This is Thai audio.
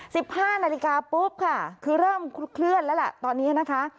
สิบห้านาฬิกาปุ๊บค่ะคือเริ่มเคลื่อนแล้วล่ะตอนนี้นะคะ